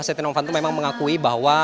setia novanto memang mengakui bahwa